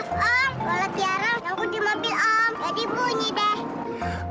jadi bunyi deh